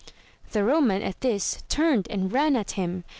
The Roman at this, turned and ran at him.